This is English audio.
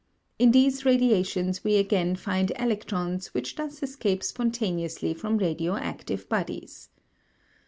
In these radiations we again find electrons which thus escape spontaneously from radioactive bodies.